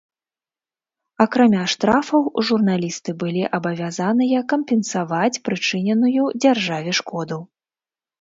Акрамя штрафаў, журналісты былі абавязаныя кампенсаваць прычыненую дзяржаве шкоду.